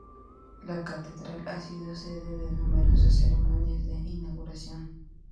La catedral ha sido sede de numerosas ceremonias de inauguración.